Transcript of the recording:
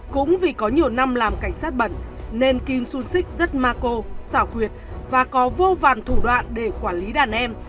cũng vì có nhiều năm làm cảnh sát bẩn nên kim xu sik rất ma cô xảo quyệt và có vô vàn thủ đoạn để quản lý đàn em